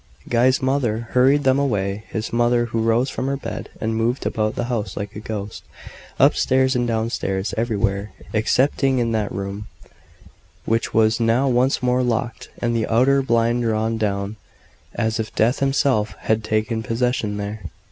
Guy's mother hurried them away his mother, who rose from her bed, and moved about the house like a ghost up stairs and down stairs everywhere excepting in that room, which was now once more locked, and the outer blind drawn down, as if Death himself had taken possession there.